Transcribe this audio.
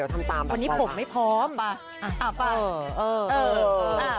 วันนี้ผมไม่พร้อมป่ะ